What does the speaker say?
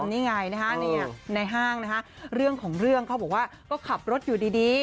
นี่ไงนะฮะในห้างนะคะเรื่องของเรื่องเขาบอกว่าก็ขับรถอยู่ดี